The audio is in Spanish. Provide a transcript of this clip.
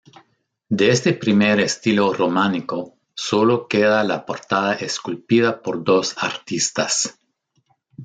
De este primer estilo románico sólo queda la portada esculpida por dos artistas.